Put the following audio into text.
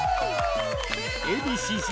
［Ａ．Ｂ．Ｃ−Ｚ